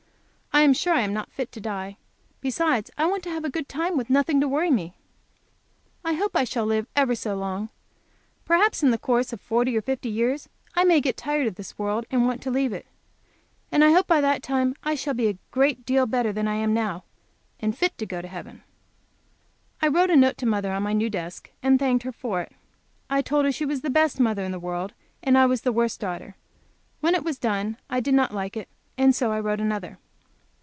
I am sure I am not fit to die. Besides I want to have a good time, with nothing to worry me. I hope I shall live ever so long. Perhaps in the course of forty or fifty years I may get tired of this world and want to leave it. And I hope by that time I shall be a great deal better than I am now, and fit to go to heaven. I wrote a note to mother on my new desk, and thanked her for it I told her she was the best mother in the world, and that I was the worst daughter. When it was done I did not like it, and so I wrote another.